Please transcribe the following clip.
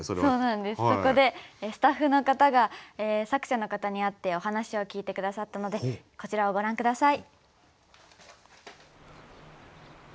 そこでスタッフの方が作者の方に会ってお話を聞いて下さったのでこちらをご覧下さい。